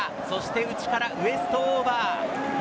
内からウエストオーバー。